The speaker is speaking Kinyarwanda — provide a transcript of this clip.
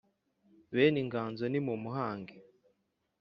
bene inganzo nimumuhange